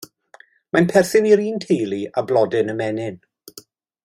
Mae'n perthyn i'r un teulu â blodyn ymenyn.